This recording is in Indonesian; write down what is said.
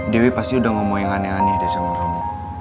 dewi pasti udah ngomong yang aneh aneh deh sama nenek